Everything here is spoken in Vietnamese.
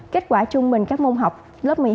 kết quả trung bình các môn học lớp một mươi hai